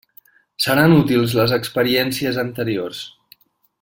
Seran útils les experiències anteriors.